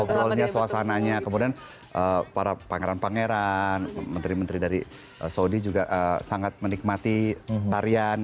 ngobrolnya suasananya kemudian para pangeran pangeran menteri menteri dari saudi juga sangat menikmati tarian